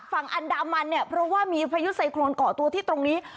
ฝั่งอันดามันเนี่ยเพราะว่ามีพายุไซโครนเกาะตัวที่ตรงนี้